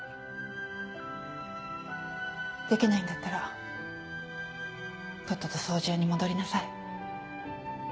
できないんだったらとっとと掃除屋に戻りなさい。